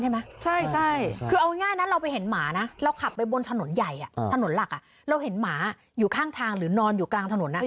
อากาศให้ตำรวจการจัดการละกันน่าว